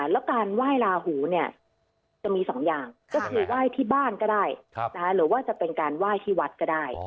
แล้วการไหว้ลาหูเนี่ยจะมีสองอย่างก็คือไหว้ที่บ้านก็ได้หรือว่าจะเป็นการไหว้ที่วัดก็ได้